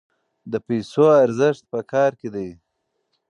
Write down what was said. د پیسو ارزښت په کار کې دی.